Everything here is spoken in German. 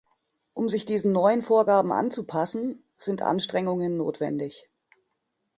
Um sich diesen neuen Vorgaben anzupassen, sind Anstrengungen notwendig.